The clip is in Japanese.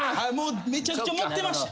めちゃくちゃ盛ってました。